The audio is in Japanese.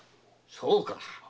そうか！